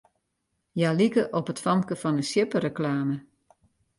Hja like op it famke fan 'e sjippereklame.